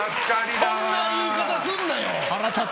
そんな言い方すんなよ！